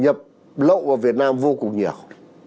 nhập lậu vào việt nam vô cùng nhiều